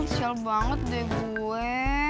sial banget deh gue